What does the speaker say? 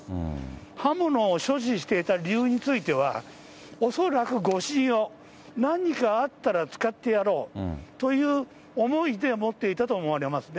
刃物を所持していた理由については、恐らく護身用、何かあったら使ってやろうという思いで持っていたと思われますね。